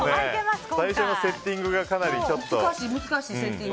最初のセッティングがかなり。